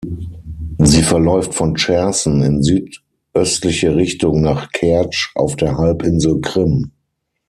Sie verläuft von Cherson in südöstliche Richtung nach Kertsch auf der Halbinsel Krim.